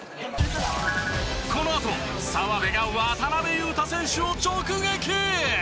このあと澤部が渡邊雄太選手を直撃！